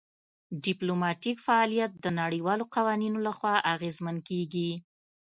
ډیپلوماتیک فعالیت د نړیوالو قوانینو لخوا اغیزمن کیږي